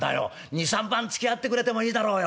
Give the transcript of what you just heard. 二三番つきあってくれてもいいだろうよ。